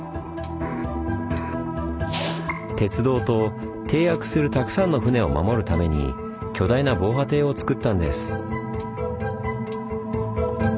鉄道と停泊するたくさんの船を守るために巨大な防波堤をつくったんです。